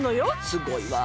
「すごいわ」